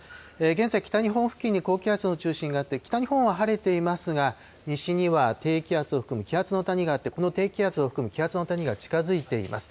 現在、北日本付近に高気圧の中心があって、北日本は晴れていますが、西には低気圧を含む気圧の谷があって、この低気圧を含む気圧の谷が近づいています。